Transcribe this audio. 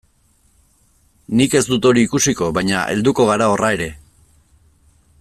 Nik ez dut hori ikusiko, baina helduko gara horra ere.